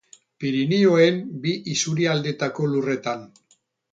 Pirinioen bi isurialdeetako lurretan.